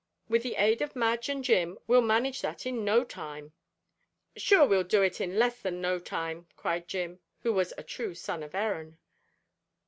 With the aid of Madge and Jim we'll manage that in no time." "Sure we'll do it in less than no time!" cried Jim, who was a true son of Erin.